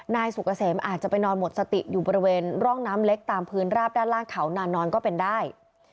นายสุกเกษมอาจจะไปนอนหมดสติอยู่บริเวณร่องน้ำเล็กตามพื้นราบด้านล่างเขานานนอนก็เป็นได้